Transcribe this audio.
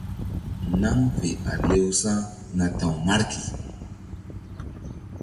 Naŋ fe a lewsa̧ na ta̧w Marki.